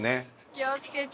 気を付けて！